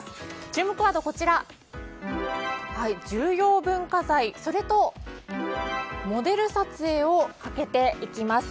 注目ワードは重要文化財、それとモデル撮影をかけていきます。